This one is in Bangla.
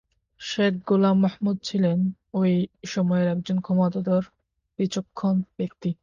শেখ গোলাম মোহাম্মদ ছিলেন ওই সময়ের একজন ক্ষমতাধর বিচক্ষণ ব্যক্তি।